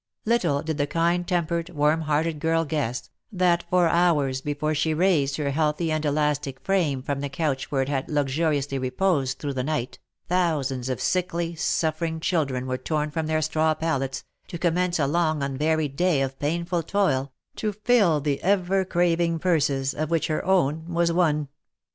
Little did the kind tempered, warm hearted girl guess, that for hours before she raised her healthy and elastic frame from the couch where it had luxuriously reposed through the night, thousands of sickly, suffering, children were torn from their straw pallets, to com mence a long unvaried day of painful toil, to fill the ever craving purses, of which her own was one.